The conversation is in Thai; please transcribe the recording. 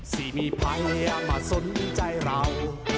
สิมีภัยมาสนใจเรา